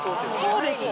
そうです。